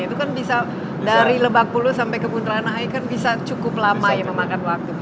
itu kan bisa dari lebakbulus sampai ke buntelanahai kan bisa cukup lama ya memakan waktu